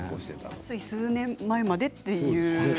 つい数年前までという。